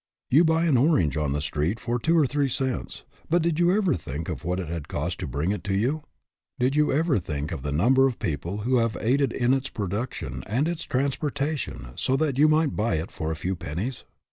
You buy an orange on the street for two or three cents, but did you ever think of what it has cost to bring it to you? Did you ever think of the number of people who have aided in its production and its transportation so that you might buy it for a few pennies